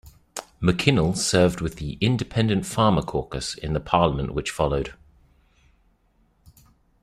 McKinnell served with the Independent-Farmer caucus in the parliament which followed.